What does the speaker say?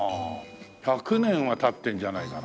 １００年は経ってるんじゃないかな？